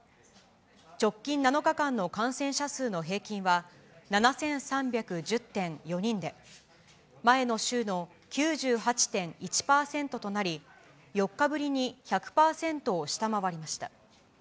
直近７日間の感染者数の平均は７３１０．４人で、前の週の９８．１％となり、４日ぶりに１００％を下回りました。